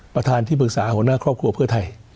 ประธานที่ปรึกษาหัวหน้าครอบครัวเพื่อไทย